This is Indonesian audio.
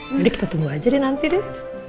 jadi kita tunggu aja deh nanti deh